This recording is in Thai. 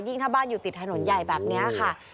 ถ้าบ้านอยู่ติดถนนใหญ่แบบนี้ค่ะ